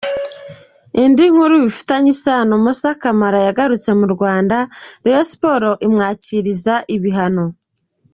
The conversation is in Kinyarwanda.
Indi nkuru bifitanye isano: Moussa Camara yagarutse mu Rwanda, Rayon Sports imwakiriza ibihano.